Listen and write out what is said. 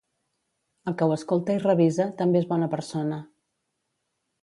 El que ho escolta i revisa, també és bona persona.